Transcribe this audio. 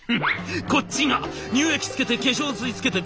こっちが乳液つけて化粧水つけてクリーム。